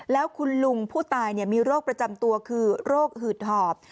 แล้วคุณลุงผู้ตายมีโรคประจำตัวคือโรคหืดหอบ